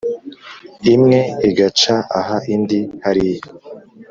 Imwe igaca aha indi hariya